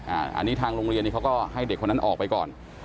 อันนี้ทางโรงเรียนเขาก็ให้เด็กคนนั้นออกไปก่อน